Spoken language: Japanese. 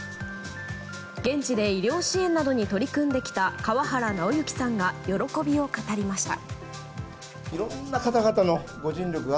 現地で医療支援などに取り組んできた川原尚行さんが喜びを語りました。